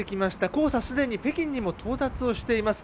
黄砂、すでに北京にも到達をしています。